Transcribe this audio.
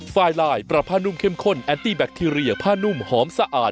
ไฟลายปรับผ้านุ่มเข้มข้นแอนตี้แบคทีเรียผ้านุ่มหอมสะอาด